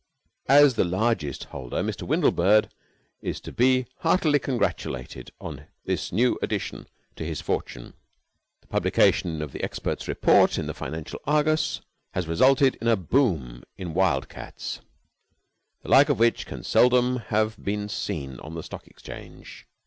As the largest holder, Mr. Windlebird is to be heartily congratulated on this new addition to his fortune. The publication of the expert's report in The Financial Argus has resulted in a boom in Wild cats, the like of which can seldom have been seen on the Stock Exchange.